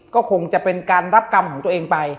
ก็คงจะเป็นการรับกรรมของตัวเองไป